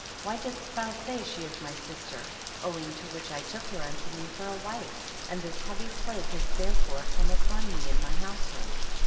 Why didst thou say, she is my sister, ■oioing to which I took her unto me for a wife, and this heavy plague has therefore come upon me and my household.